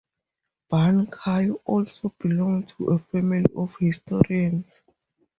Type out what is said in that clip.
Ban Chao also belonged to a family of historians.